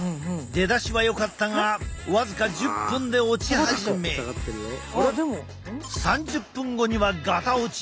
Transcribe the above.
出だしはよかったが僅か１０分で落ち始め３０分後にはガタ落ち。